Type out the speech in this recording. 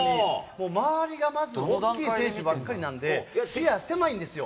もう周りがまず大きい選手ばっかりなんで、視野狭いんですよ。